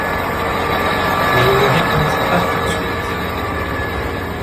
Mais on ne répondit pas tout de suite.